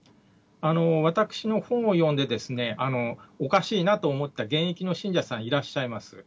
私の本を読んで、おかしいなと思った現役の信者さんいらっしゃいます。